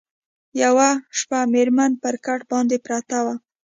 یوه شپه مېرمن پر کټ باندي پرته وه